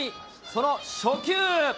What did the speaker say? その初球。